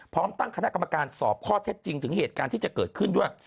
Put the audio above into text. พร้อมตั้งคณะกรรมการสอบข้อเท็จจริงถึงเหตุการณ์ที่จะเกิดขึ้นด้วย